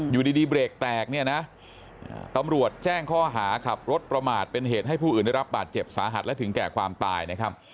อยู่ดีเบรกแตกเนี่ยนะตำรวจแจ้งข้อหาขับรถประมาทเป็นเหตุให้ผู้อื่นได้รับบาดเจ็บสาหัสและถึงแก่ความตายนะครับ